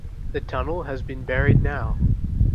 The tunnel has been buried now.